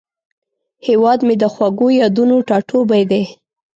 هیواد مې د خوږو یادونو ټاټوبی دی